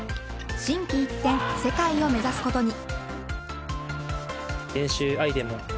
心機一転、世界を目指すことに。